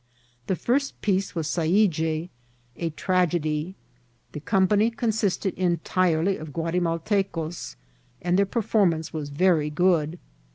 The first piece was Saide, a tragedy. The company con sisted entirely of Ouatimaltecos, and their performance was very good.